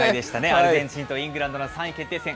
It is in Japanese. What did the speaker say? アルゼンチンとイングランドの３位決定戦。